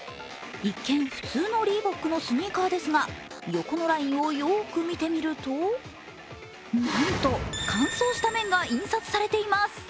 一見普通のリーボックのスニーカーですが、横のラインをよーく見てみると、なんと乾燥した麺が印刷されています。